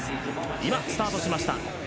今スタートしました。